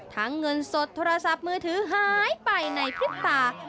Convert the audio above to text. เงินสดโทรศัพท์มือถือหายไปในพริบตา